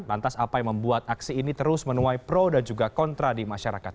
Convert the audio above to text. lantas apa yang membuat aksi ini terus menuai pro dan juga kontra di masyarakat